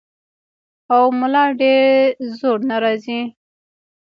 او ملا ډېر زور نۀ راځي -